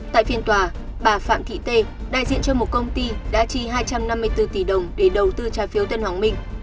tại phiên tòa bà phạm thị tê đại diện cho một công ty đã chi hai trăm năm mươi bốn tỷ đồng để đầu tư trái phiếu tân hoàng minh